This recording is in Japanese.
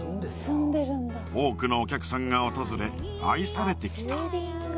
多くのお客さんが訪れ愛されてきた